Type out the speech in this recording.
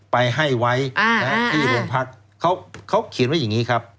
ไปให้ไว้ที่โรงพักเขาเขียนไว้อย่างนี้ครับ